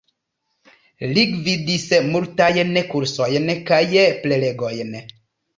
Li gvidis multajn kursojn kaj prelegojn.